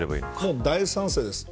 もう大賛成です。